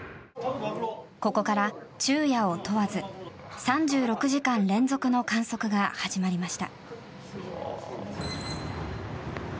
ここから昼夜を問わず３６時間連続の観測が始まりました。